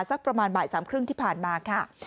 สักประมาณบ่ายสามครึ่งที่ผ่านมาค่ะ